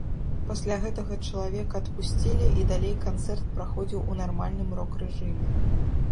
Пасля гэтага чалавека адпусцілі і далей канцэрт праходзіў у нармальным рок-рэжыме.